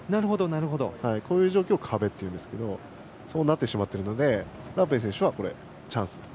こういう状況を壁っていうんですけどそうなってしまっているのでラープイェン選手はチャンスです。